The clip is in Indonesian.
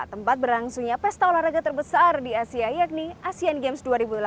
tempat berlangsungnya pesta olahraga terbesar di asia yakni asean games dua ribu delapan belas